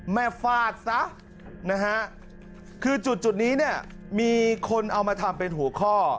ฟาดซะนะฮะคือจุดนี้เนี่ยมีคนเอามาทำเป็นหัวข้อ